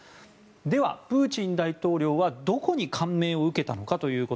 ではプーチン大統領はどこに感銘を受けたのか。